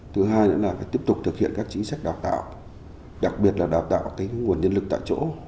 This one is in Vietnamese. thứ hai là tiếp tục thực hiện các chính sách đào tạo đặc biệt là đào tạo cái nguồn nhân lực tại chỗ